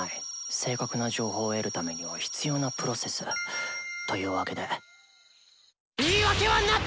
正確な情報を得るためには必要なプロセス！というわけで言い訳はなった！